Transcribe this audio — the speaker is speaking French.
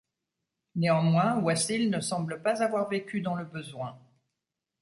Néanmoins, Wassil ne semble pas avoir vécu dans le besoin.